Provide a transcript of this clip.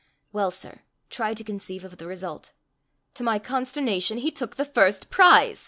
Well, sir, try to conceive of the result: to my consternation, he took the first prize!